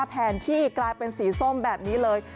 แผนที่กลายเป็นสีส้มแบบนี้เลย